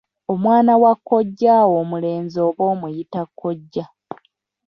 Omwana wa kojjaawo omulenzi oba omuyita kkojja.